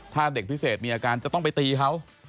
ถ้าเด็กพิเศษมีอาการจะต้องไปตีเขา